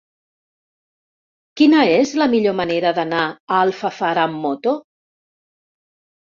Quina és la millor manera d'anar a Alfafara amb moto?